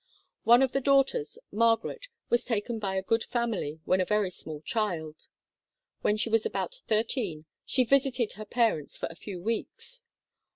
One of the daughters, Margaret, was taken by a good family when a very small child. When she was about thirteen, she visited her parents for a few weeks.